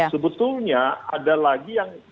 sebetulnya ada lagi yang